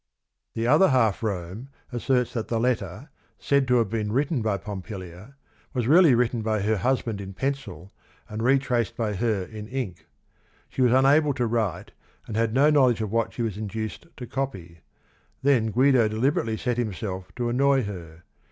The Other Half Rome asserts that the letter, said J( T~Gave bmr written by .Pompilia^ w as reall y written b y her husband in pencil and re traced byher~in~InE She was* unable to Write and had no knowledge of what she was induced to copy. Then Guido deliberately set himself to annoy her.